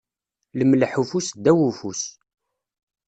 Lemleḥ ufus ddaw ufus.